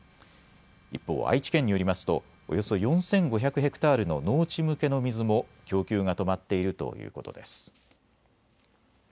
一方、愛知県によりますとおよそ４５００ヘクタールの農地向けの水も供給が止まっているということです。